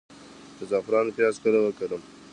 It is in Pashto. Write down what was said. د زعفرانو پیاز کله وکرم؟